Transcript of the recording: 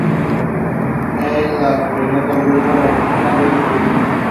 En la actualidad alberga la oficina de turismo.